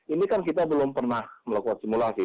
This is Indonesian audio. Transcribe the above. ini kan kita belum pernah melakukan simulasi